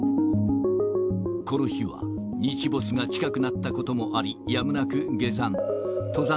この日は、日没が近くなったこともあり、やむなく下山。